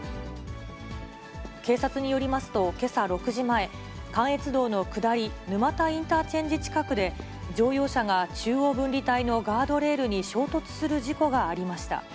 警察によりますと、けさ６時前、関越道の下り沼田インターチェンジ近くで、乗用車が中央分離帯のガードレールに衝突する事故がありました。